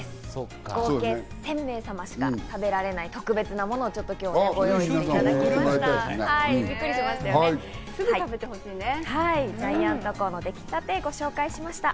合計１０００名様しか食べられない特別なものを今日はご用意いただきました。